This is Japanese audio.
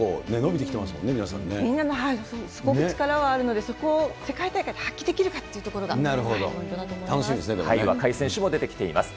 みんなすごく力はあるので、世界大会で発揮できるかというところがポイントだと思います。